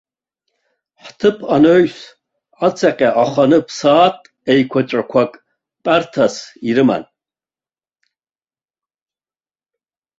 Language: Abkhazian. Ҳҭыԥ анаҩс, ацаҟьа аханы ԥсаатә еиқәаҵәақәак тәарҭас ирыман.